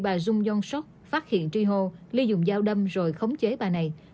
bị bà dung yong sốc phát hiện tri hồ lee dùng dao đâm rồi khống chế bà này